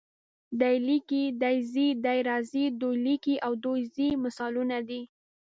دی لیکي، دی ځي، دی راځي، دوی لیکي او دوی ځي مثالونه دي.